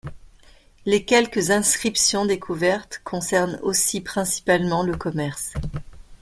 Les quelques inscriptions découvertes concernent aussi principalement le commerce.